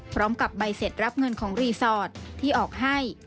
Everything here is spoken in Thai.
พร้อมกับใบเสร็จรับเงินของรีสอร์ทที่ออกให้